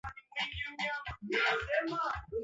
Amerika Vita ilianza na kudumu miaka minne na watu walikufa